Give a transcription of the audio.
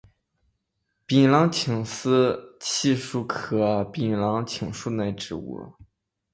槟榔青是漆树科槟榔青属的植物。